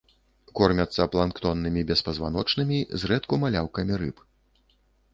Кормяцца планктоннымі беспазваночнымі, зрэдку маляўкамі рыб.